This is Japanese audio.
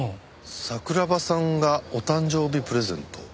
桜庭さんがお誕生日プレゼントを？